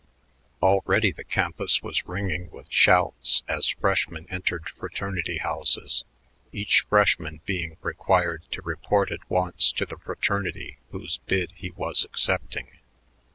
Already the campus was ringing with shouts as freshmen entered fraternity houses, each freshman being required to report at once to the fraternity whose bid he was accepting.